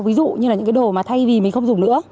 ví dụ như là những cái đồ mà thay vì mình không dùng nữa